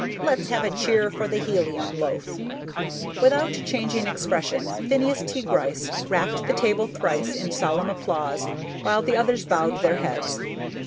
Let's have a cheer for the helium loaf!" Without changing expression, Phineas T. Gryce rapped the table thrice in solemn applause, while the others bowed their heads.